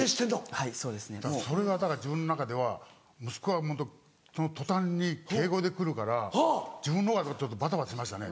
はいそうですね。それがだから自分の中では息子がその途端に敬語で来るから自分のほうがバタバタしましたね。